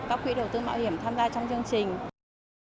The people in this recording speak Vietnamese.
các quỹ đầu tư mạo hiểm tham gia trong chương trình